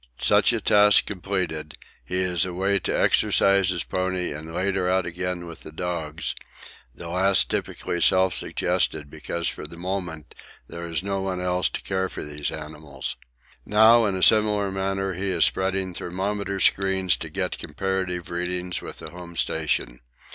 Such a task completed, he is away to exercise his pony, and later out again with the dogs, the last typically self suggested, because for the moment there is no one else to care for these animals. Now in a similar manner he is spreading thermometer screens to get comparative readings with the home station.